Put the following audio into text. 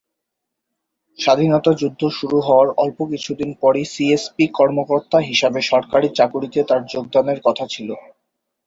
স্বাধীনতা যুদ্ধ শুরু হওয়ার অল্প কিছুকাল পরই সিএসপি কর্মকর্তা হিসাবে সরকারি চাকুরিতে তার যোগদানের কথা ছিলো।